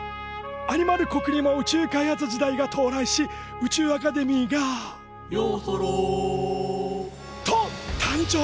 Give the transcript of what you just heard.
アニマル国にも宇宙開発時代が到来し宇宙アカデミーが「ようそろ」と誕生。